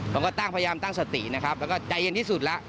ผมก็ตั้งพยายามตั้งสตินะครับแล้วก็ใจเย็นที่สุดแล้ว